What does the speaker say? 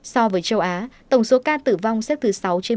so với châu á tổng số ca tử vong xếp thứ sáu trên bốn mươi chín xếp thứ ba asean